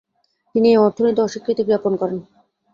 তিনি এ অর্থ নিতে অস্বীকৃতিজ্ঞাপন করেন।